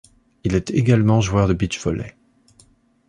Il est également joueur de beach-volley.